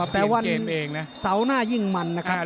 แต่วันเสาร์หน้ายิ่งมันนะครับ